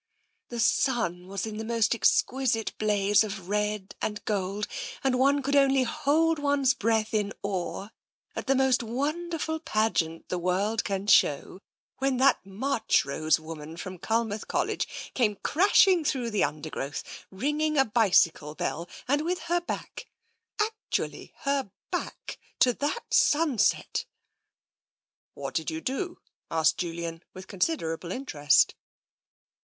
" The sun was in the most exquisite blaze of red and gold, and one could only hold one's breath in awe at the most wonderful pageant the world can show, when that Marchrose woman from Culmouth College came crashing through the undergrowth, ringing a bicycle bell, and with her back — actually, her back — to that sunset! " "What did you do?" asked Julian, with consider able interest.